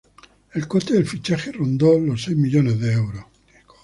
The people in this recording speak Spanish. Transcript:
El coste del fichaje rondó los seis millones de euros.